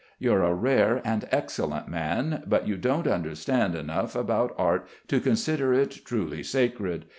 You're a rare and excellent man. But you don't understand enough about art to consider it truly sacred.